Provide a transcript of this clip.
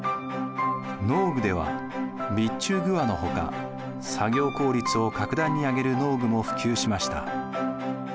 農具では備中鍬の他作業効率を格段に上げる農具も普及しました。